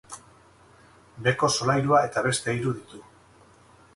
Beheko solairua eta beste hiru ditu.